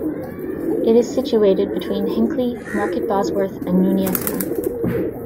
It is situated between Hinckley, Market Bosworth and Nuneaton.